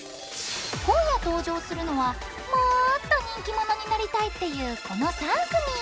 今夜登場するのはもっと人気者になりたいっていうこの３組！